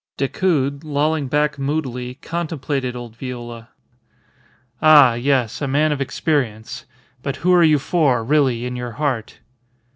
Decoud, lolling back moodily, contemplated old Viola. "Ah! Yes. A man of experience. But who are you for, really, in your heart?"